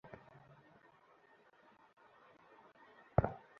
সেই ধরণের একটা ওয়াইনের বোতল খুঁজবে, যা লোকটাকে সেই রাতে ডিনারে ঘাবড়ে দিয়েছিল।